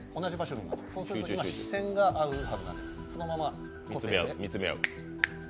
そうすると今、視線が合うはずなんですよ。